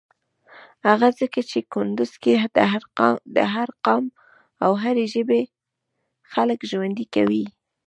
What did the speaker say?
هغه ځکه چی کندوز کی د هر قام او هری ژبی خلک ژوند کویی.